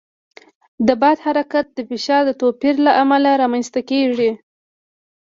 د باد حرکت د فشار د توپیر له امله رامنځته کېږي.